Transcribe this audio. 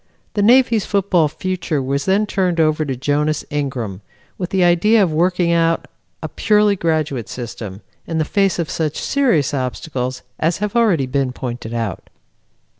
The Navy's football future was then turned over to Jonas Ingram, with the idea of working out a purely graduate system, in the face of such serious obstacles as have already been pointed out.